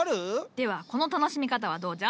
ではこの楽しみ方はどうじゃ？